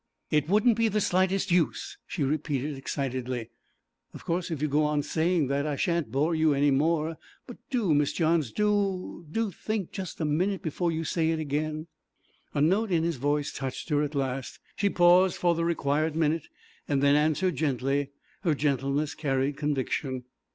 'It wouldn't be the slightest use,' she repeated excitedly. 'Of course if you go on saying that, I sha'n't bore you any more, but do, Miss Johns, do, do just think a minute before you say it again.' A note in his voice touched her at last; she paused for the required minute and then answered gently; her gentleness carried conviction.